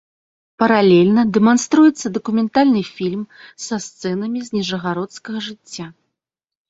Паралельна дэманструецца дакументальны фільм са сцэнамі з ніжагародскага жыцця.